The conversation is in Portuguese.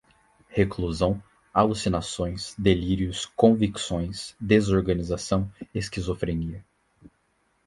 reclusão, alucinações, delírios, convicções, desorganização, esquizofrenia